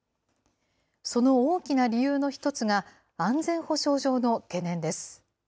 その大きな理由の一つが、安全保障上の懸念です。